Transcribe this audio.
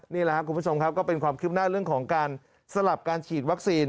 นี่แหละครับคุณผู้ชมครับก็เป็นความคืบหน้าเรื่องของการสลับการฉีดวัคซีน